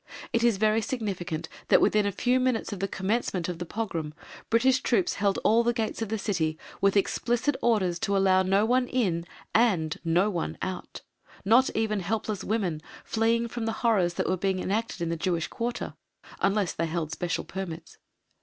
It is very significant that within a few minutes of the commencement of the pogrom, British troops held all the gates of the city, with explicit orders to allow no one in and no one out not even helpless women, fleeing from the horrors that were being enacted in the Jewish quarter, unless they held special permits.